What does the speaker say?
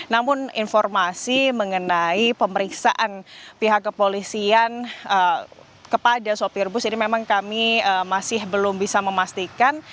namun informasi mengenai pemeriksaan pihak kepolisian kepada sopir bus ini memang kami masih belum bisa memastikan